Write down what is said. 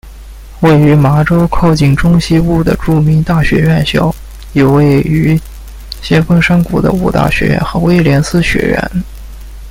位于麻州靠近中西部的著名大学院校有位于先锋山谷的五大学院和威廉斯学院。